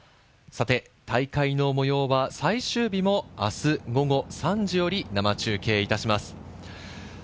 大会の模様は最終日も明日午後３時より生中継いたします。